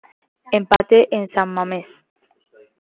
Empate en San Mamés.